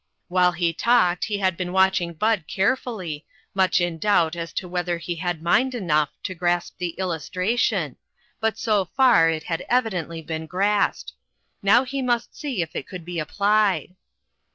While he talked he had been watching Bud carefully, much in doubt as to whether he had mind enough to grasp the illustration, but so far it had evidently been grasped ; now he must see if it could be applied.